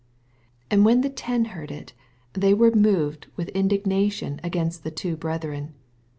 24 And when the ten heard U, they were moved with indignation against the two brethren.